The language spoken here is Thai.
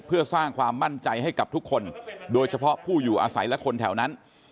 เพื่อสร้างความมั่นใจให้กับทุกคนโดยเฉพาะผู้อยู่อาศัยและคนแถวนั้น